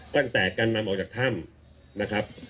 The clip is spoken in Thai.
ตั้งแต่การนำออกจากถ้ำนะครับ